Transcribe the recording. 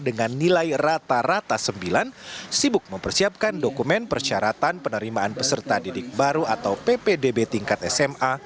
dengan nilai rata rata sembilan sibuk mempersiapkan dokumen persyaratan penerimaan peserta didik baru atau ppdb tingkat sma